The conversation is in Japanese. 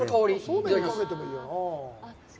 いただきます。